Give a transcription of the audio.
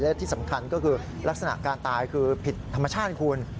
และที่สำคัญก็คือลักษณะการตายคือผิดธรรมชาติคุณ